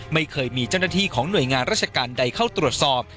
ไม่เคยมีเจ้าหน้าที่ของหน่วยงานราชการใดเข้าตรวจสอบ